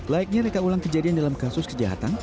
laiknya reka ulang kejadian dalam kasus kejahatan